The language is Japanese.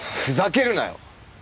ふざけるなよ！